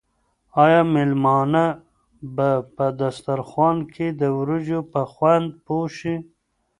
آیا مېلمانه به په دسترخوان کې د وریجو په خوند پوه شي؟